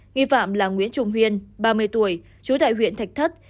nghi phạm là nguyễn trung huyên ba mươi tuổi trú tại huyện thạch thất